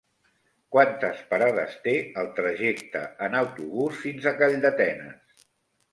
Quantes parades té el trajecte en autobús fins a Calldetenes?